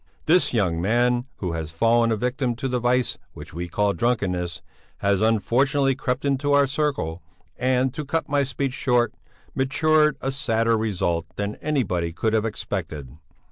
This young man, who has fallen a victim to the vice which we will call drunkenness, has unfortunately crept into our circle and to cut my speech short matured a sadder result than anybody could have expected.